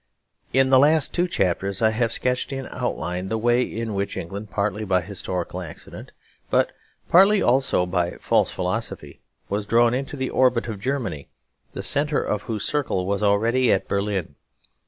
In the last two chapters I have sketched in outline the way in which England, partly by historical accident, but partly also by false philosophy, was drawn into the orbit of Germany, the centre of whose circle was already at Berlin.